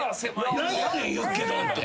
何やねんユッケ丼って。